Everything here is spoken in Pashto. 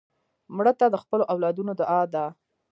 مړه ته د خپلو اولادونو دعا ده